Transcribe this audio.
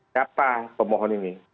siapa pemohon ini